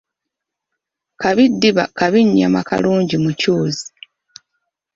Kabi ddiba kabi nnyama kalungi mucuuzi.